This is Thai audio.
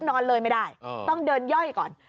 นอนเลยไม่ได้ต้องเดินย่อยก่อน